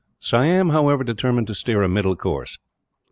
Siam, however, determined to steer a middle course.